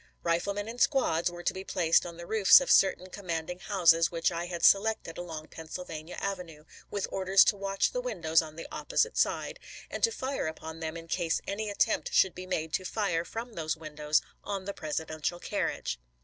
Riflemen in squads were to be placed on the roofs of certain commanding houses which I had selected along Pennsylvania Avenue, with orders to watch the windows on the opposite side, and to fire upon them in case any attempt should be made to fire from those windows on the Presidential carriage.